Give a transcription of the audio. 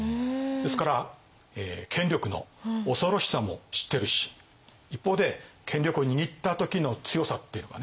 ですから権力の恐ろしさも知ってるし一方で権力を握った時の強さっていうのかね